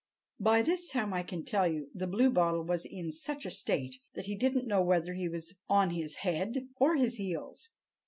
By this time, I can tell you, the Bluebottle was in such a state that he didn't know whether he was on his head or his heels.